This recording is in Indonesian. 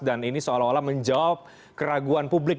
dan ini seolah olah menjawab keraguan publik